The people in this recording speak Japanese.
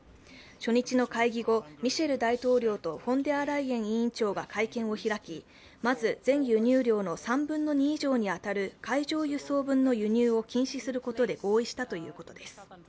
初日の会議後、ミシェル大統領とフォンデアライエン委員長が会見を開き、まず全輸入量の３分の２以上に当たる海上輸送分の輸入を禁止することで合意したということです。